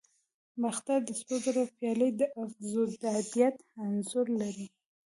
د باختر د سرو زرو پیالې د افروډایټ انځور لري